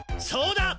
そうだ！